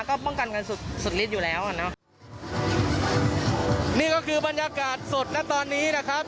ก็ป้องกันกันสุดสุดลิดอยู่แล้วอ่ะเนอะนี่ก็คือบรรยากาศสดนะตอนนี้นะครับ